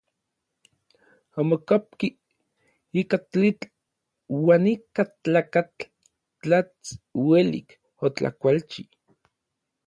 Omokopki ika tlitl uan ika tlakatl tlats uelik otlakualchi.